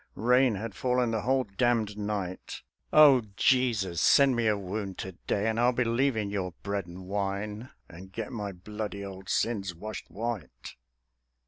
Rain had fallen the whole damned night. O Jesus, send me a wound to day, And I'll believe in Your bread and wine, And get my bloody old sins washed white!